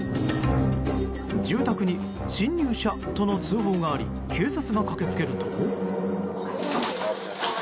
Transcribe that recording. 住宅に侵入者との通報があり警察が駆け付けると。